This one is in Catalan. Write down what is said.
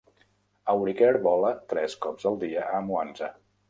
Auric Air vola tres cops al dia a Mwanza.